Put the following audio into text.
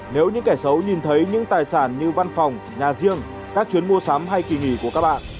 nếu những kẻ xấu nhìn thấy những tài sản như văn phòng nhà riêng các chuyến mua sắm hay kỳ nghỉ của các bạn